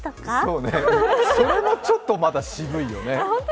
そうねそれもちょっとまだ渋いよね。